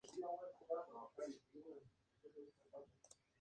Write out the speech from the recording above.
Es el parque de atracciones con más montañas rusas del mundo.